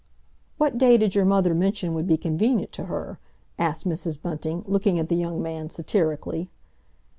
"What day did your mother mention would be convenient to her?" asked Mrs. Bunting, looking at the young man satirically.